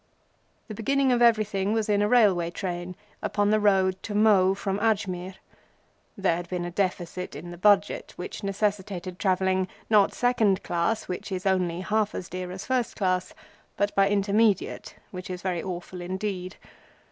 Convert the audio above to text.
The beginning of everything was in a railway train upon the road to Mhow from Ajmir. There had been a deficit in the Budget, which necessitated travelling, not Second class, which is only half as dear as First class, but by Intermediate, which is very awful indeed.